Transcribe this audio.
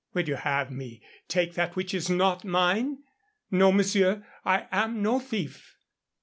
Would you have me take that which is not mine? No, monsieur, I am no thief."